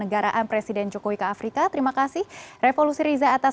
baik kami akan terus memantau perkembangan agenda agenda kunjungan kita